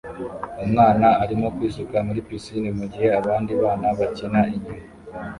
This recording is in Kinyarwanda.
Umwana arimo kwisuka muri pisine mugihe abandi bana bakina inyuma